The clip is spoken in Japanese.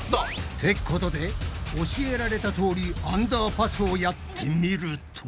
ってことで教えられたとおりアンダーパスをやってみると。